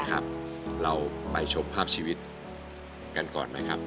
ครับเราไปชมภาพชีวิตกันก่อนไหมครับ